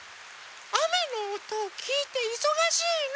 あめのおとをきいていそがしいの。